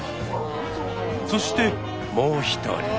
そしてもう一人。